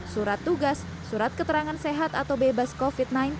surat tugas surat keterangan sehat atau bebas covid sembilan belas